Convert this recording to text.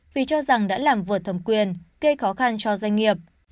vì cho rằng đã làm vượt thẩm quyền gây khó khăn cho doanh nghiệp